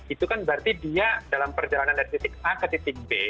itu kan berarti dia dalam perjalanan dari titik a ke titik b